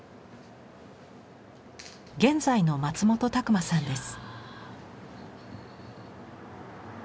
現在の松本拓万さんです。